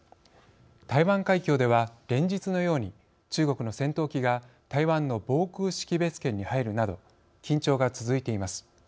台湾海峡では連日のように中国の戦闘機が台湾の防空識別圏に入るなど緊張が続いています。